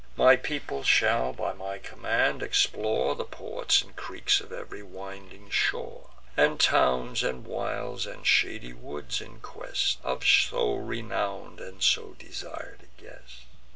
My people shall, by my command, explore The ports and creeks of ev'ry winding shore, And towns, and wilds, and shady woods, in quest Of so renown'd and so desir'd a guest."